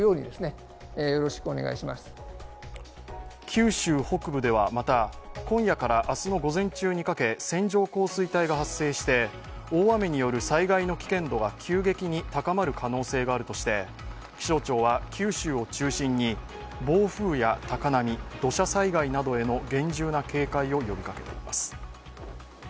九州北部ではまた、今夜から明日の午前中にかけ線状降水帯が発生して大雨による災害の危険度が急激に高まる可能性があるとして気象庁は九州を中心に暴風や高波土砂災害などへの厳重な警戒を呼びかけています。